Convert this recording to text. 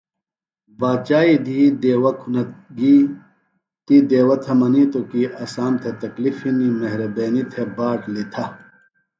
باچائی دہی دیوہ کُھنہ گی۔ تی دیوہ تھےۡ منِیتوۡ کی اسام تھےۡ تکلِف ہِنیۡ، مہربینی تھےۡ باٹ لِتھہ۔